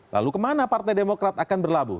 lalu kemana partai demokrat akan berlabuh